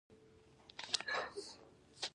هغه سړی ډېر شه اخلاق لري.